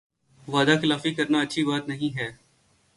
وعدہ خلافی کرنا اچھی بات نہیں ہے